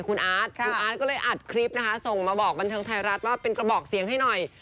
คุณอาร์ตคุณอาร์ตก็เลยอัดคลิปนะคะส่งมาบอกบันเทิงไทยรัฐว่าเป็นกระบอกเสียงให้หน่อย